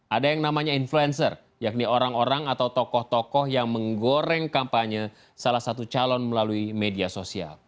ada yang namanya influencer yakni orang orang atau tokoh tokoh yang menggoreng kampanye salah satu calon melalui media sosial